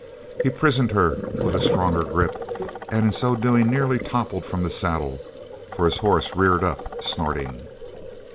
He prisoned her with a stronger grip, and in so doing nearly toppled from the saddle, for his horse reared up, snorting.